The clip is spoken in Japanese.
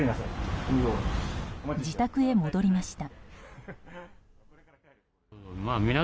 自宅へ戻りました。